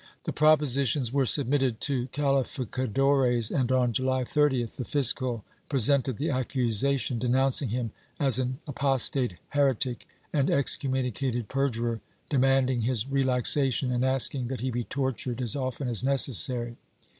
The propositions were submitted to calificadores and, on July 30th, the fiscal presented the accusation, denouncing him as an apostate heretic and excommunicated perjurer, demanding his relaxation and asking that he be tortured as often as necessary.